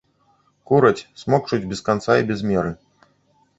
Кураць, смокчуць без канца і без меры.